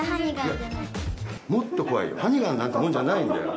もっと怖いよハニガンなんてもんじゃないんだよ